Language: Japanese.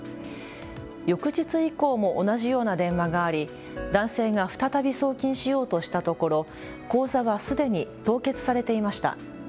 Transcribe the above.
翌日以降も同じような電話があり男性が再び送金しようとしたところ口座はすでに凍結されていました。